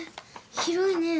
広いね。